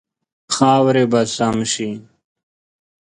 خاورې به سم شي.